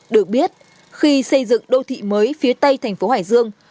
được biết khi xây dựng đô thị mới phía tây tp hải dương